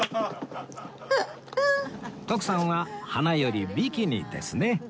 徳さんは花よりビキニですね